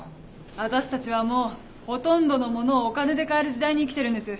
私たちはもうほとんどのものをお金で買える時代に生きてるんです。